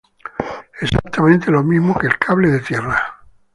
Exactamente lo mismo que el cable de tierra.